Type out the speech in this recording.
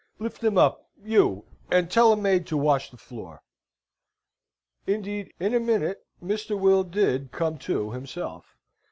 Lift him up, you, and tell a maid to wash the floor." Indeed, in a minute, Mr. Will did come to himself.